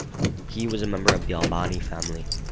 He was a member of the Albani family.